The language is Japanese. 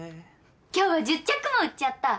今日は１０着も売っちゃった！